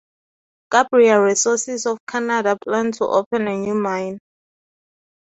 Gabriel Resources of Canada plan to open a new mine.